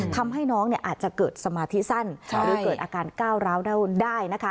ทำให้น้องอาจจะเกิดสมาธิสั้นหรือเกิดอาการก้าวร้าวได้นะคะ